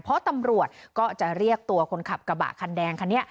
เพราะตำรวจก็จะเรียกตัวคนขับกระบะคันแดงคันนี้